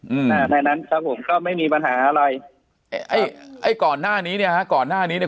อืมอ่าในนั้นครับผมก็ไม่มีปัญหาอะไรไอ้ไอ้ก่อนหน้านี้เนี่ยฮะก่อนหน้านี้เนี้ย